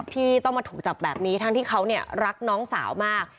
ที่ต้องมาถูกจับแบบนี้ทั้งที่เขารักน้องสาวมาก